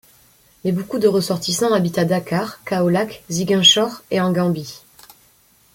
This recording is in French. Mais beaucoup de ressortissants habitent à Dakar, Kaolack, Ziguinchor et en Gambie.